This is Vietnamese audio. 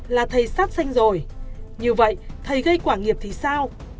là thầy sát xanh rồi như vậy thầy gây quả nghiệp thì sao